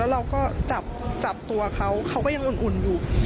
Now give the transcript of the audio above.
เราก็จับตัวเขาเขาก็ยังอุ่นอยู่